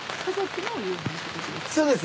そうです。